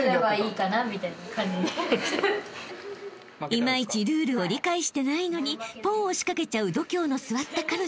［いまいちルールを理解してないのにポンを仕掛けちゃう度胸の据わった彼女］